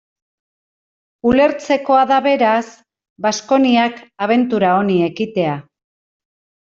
Ulertzekoa da, beraz, Baskoniak abentura honi ekitea.